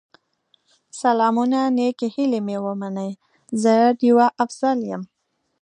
سلامونه نیکې هیلې مې ومنئ، زه ډيوه افضل یم